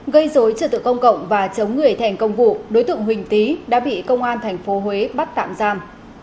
gây dối trật tự công cộng và chống người thành công vụ đối tượng huỳnh tý đã bị công an tp huế bắt tạm giam